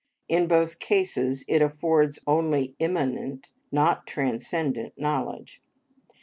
In both cases it affords only immanent, not transcendent knowledge.